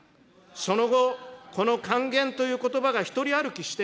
その後、この還元ということばが一人歩きして、